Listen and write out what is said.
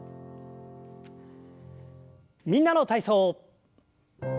「みんなの体操」。